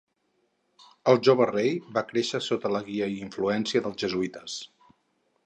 El jove rei va créixer sota la guia i influència dels jesuïtes.